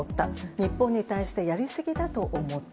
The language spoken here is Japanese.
日本に対してやりすぎだと思った。